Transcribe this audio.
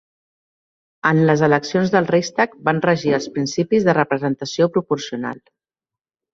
En les eleccions al Reichstag van regir els principis de representació proporcional.